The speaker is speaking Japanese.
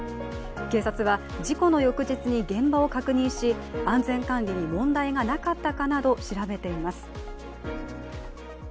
警察は事故の翌日に現場を確認し安全管理に問題がなかったかなど調べています。